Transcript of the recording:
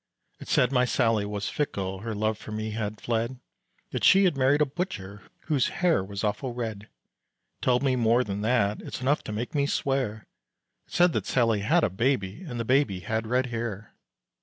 It said my Sallie was fickle, Her love for me had fled, That she had married a butcher, Whose hair was awful red; It told me more than that, It's enough to make me swear, It said that Sallie had a baby And the baby had red hair.